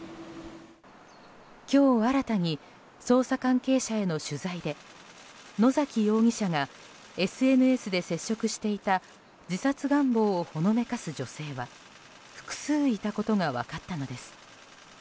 今日、新たに捜査関係者への取材で野崎容疑者がＳＮＳで接触していた自殺願望をほのめかす女性は複数いたことが分かったのです。